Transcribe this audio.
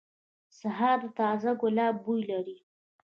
سهار د تازه ګلاب بوی لري.